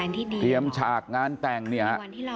เตรียมฉากงานแต่งเนี่ยฮะ